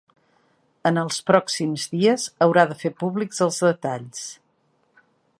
En els pròxims dies haurà de fer públics els detalls.